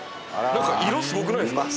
何か色すごくないっすか？